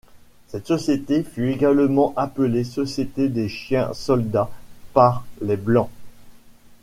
Cette société fut également appelée Société des Chiens soldats par les blancs.